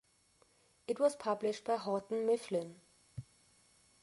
It was published by Houghton Mifflin.